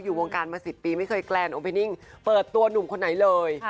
วงการมา๑๐ปีไม่เคยแกลนองพินิ่งเปิดตัวหนุ่มคนไหนเลย